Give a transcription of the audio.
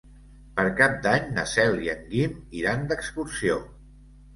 Per Cap d'Any na Cel i en Guim iran d'excursió.